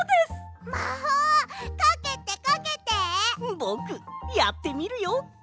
ぼくやってみるよ！